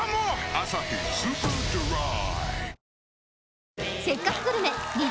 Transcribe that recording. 「アサヒスーパードライ」